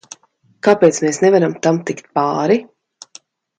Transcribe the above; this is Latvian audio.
Kāpēc mēs nevaram tam tikt pāri?